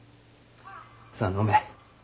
さあ飲め。